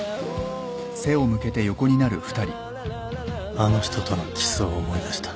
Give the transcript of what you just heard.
あの人とのキスを思い出した